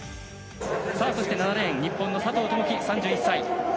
そして７レーン日本の佐藤友祈３１歳。